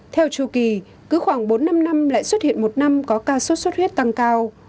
theo chu kỳ cứ khoảng bốn năm năm lại xuất hiện một năm có ca sốt xuất huyết tăng cao